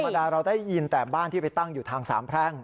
เวลาเราได้ยินแต่บ้านที่ไปตั้งอยู่ทางสามแพร่ง